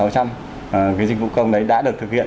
cái dịch vụ công đấy đã được thực hiện